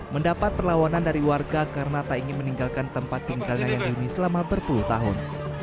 mendapat perlawanan dari warga karena tak ingin meninggalkan tempat tinggalnya yang ini selama berpuluh tahun